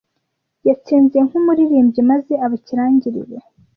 Yatsinze nk'umuririmbyi maze aba ikirangirire.